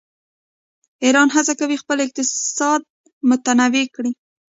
ایران هڅه کوي چې خپل اقتصاد متنوع کړي.